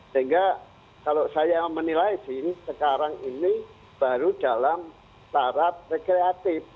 sehingga kalau saya menilai sih ini sekarang ini baru dalam tarap rekreatif